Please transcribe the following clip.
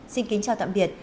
xin kính chào tạm biệt